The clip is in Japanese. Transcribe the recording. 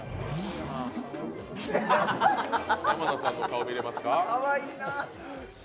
山名さんの顔見れますか？